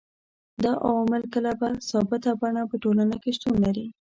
دا عوامل کله په ثابته بڼه په ټولنه کي شتون لري